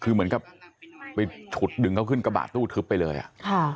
คือเหมือนกับไปฉุดดึงเขาขึ้นกระบะตู้ทึบไปเลยอ่ะค่ะ